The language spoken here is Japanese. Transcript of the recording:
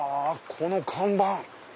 この看板！